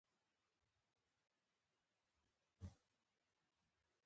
د دارچینی لرګی د وینې د جریان لپاره وکاروئ